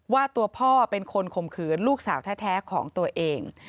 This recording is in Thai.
ว่าตัวพ่อเป็นคนข่มขืนลูกสาวแท้ของตัวเอง